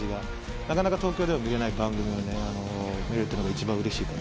なかなか東京では見られない番組を見られるというのが一番うれしい。